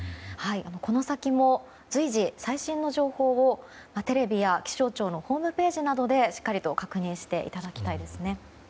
この先も最新の情報をテレビや気象庁のホームページなどでしっかり確認していただきたいですね。